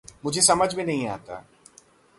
मुझे समझ में नहीं आता